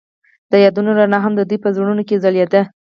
د یادونه رڼا هم د دوی په زړونو کې ځلېده.